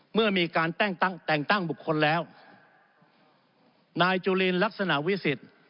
เมื่อมีการแต่งตั้งบุคคลแล้วนายจุลินลักษณะวิสิทธิ์